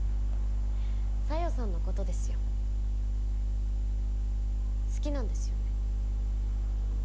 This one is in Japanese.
小夜さんのことですよ好きなんですよね？